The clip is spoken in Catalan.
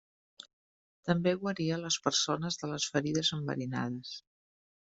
També guaria a les persones de les ferides enverinades.